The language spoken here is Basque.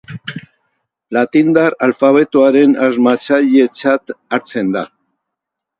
Latindar alfabetoaren asmatzailetzat hartzen da.